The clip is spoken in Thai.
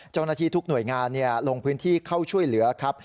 เจ้าหน้าที่ทุกหน่วยงานลงพื้นที่เข้าช่วยเหลือครับ